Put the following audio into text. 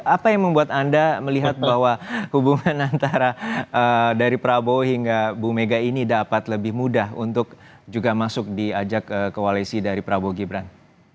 apa yang membuat anda melihat bahwa hubungan antara dari prabowo hingga bu mega ini dapat lebih mudah untuk juga masuk diajak koalisi dari prabowo gibran